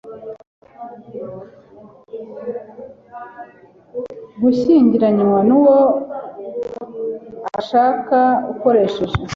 gushyingiranywa n uwo ashaka akoresheje